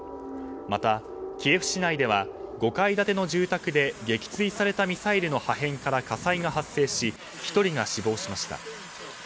またキエフ市内では５階建ての住宅で撃墜されたミサイルの破片から火災が発生し１人が死亡しました。